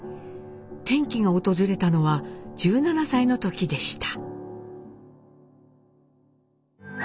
転機が訪れたのは１７歳の時でした。